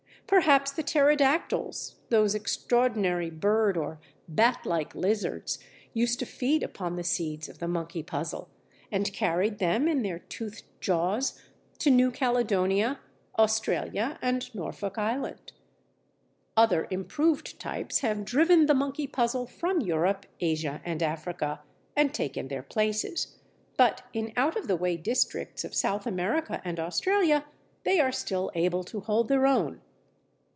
Perhaps the Pterodactyls, those extraordinary bird or bat like lizards, used to feed upon the seeds of the monkey puzzle, and carried them in their toothed jaws to New Caledonia, Australia, and Norfolk Island. Other improved types have driven the monkey puzzles from Europe, Asia, and Africa, and taken their places, but in out of the way districts of South America and Australia they are still able to hold their own.